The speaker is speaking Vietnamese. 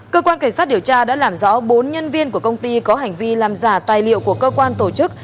cơ quan cảnh sát điều tra đã làm rõ bốn nhân viên của công ty có hành vi làm giả tài liệu của cơ quan tổ chức